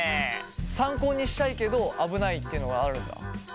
参考にしたいけど危ないっていうのがあるんだ。